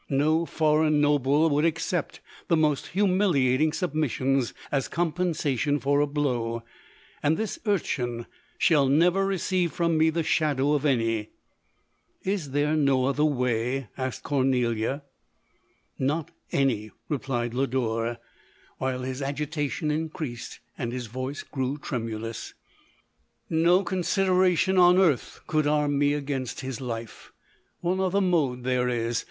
No foreign noble would accept the most humiliating submissions as compensation for a blow, and this urchin shall never receive from me the shadow of any. 1 ''" Is there no other way?" asked Cornelia. " Not any," replied Lodore, while his agi h 5 154 LODORE. tation increased, and his voice grew tremulous ;" No consideration on earth could arm me against his life. One other mode there is.